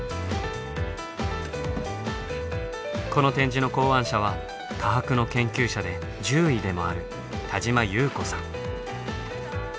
この展示の考案者は科博の研究者で獣医でもある田島木綿子さん。